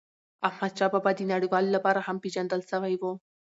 احمدشاه بابا د نړیوالو لپاره هم پېژندل سوی و.